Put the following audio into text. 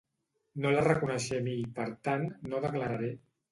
No la reconeixem i, per tant, no declararé.